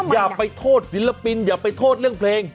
อย่าไปโทษศิลปินอย่าไปโทษเรื่องเพลง